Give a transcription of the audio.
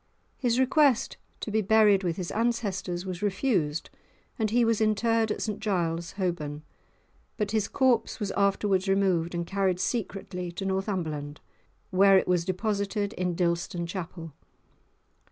His request to be buried with his ancestors was refused, and he was interred at St Giles, Holborn, but his corpse was afterwards removed and carried secretly to Northumberland, where it was deposited in Dilston Chapel.